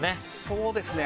そうですね